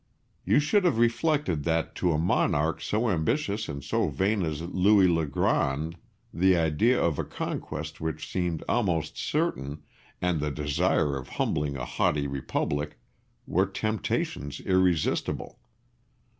You should have reflected that to a monarch so ambitious and so vain as Louis le Grand the idea of a conquest which seemed almost certain, and the desire of humbling a haughty Republic, were temptations irresistible.